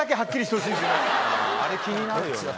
あれ気になるよね。